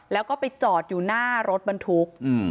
แล้วก็ไปจอดอยู่หน้ารถบรรทุก